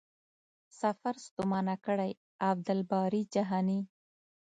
سفر ستومانه کړی.عبدالباري جهاني